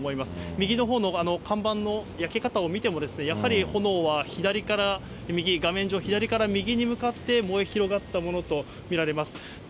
右のほうの看板の焼け方を見ても、やはり炎は左から右、画面上、左から右に向かって燃え広がったものと見られます。